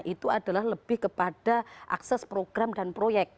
itu adalah lebih kepada akses program dan proyek